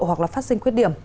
hoặc là phát sinh quyết điểm